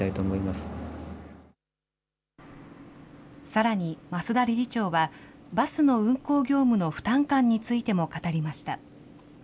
さらに増田理事長は、バスの運行業務の負担感についても語りました。